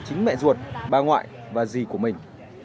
chính mẹ ruột bà ngoại và dì của mình